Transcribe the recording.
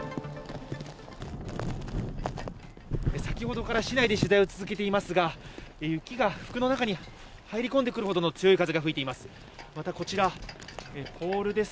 先ほどから市内で取材を続けていますが雪が服の中に入り込んでくるほどの強い風が吹いています。